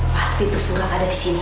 pasti itu surat ada di sini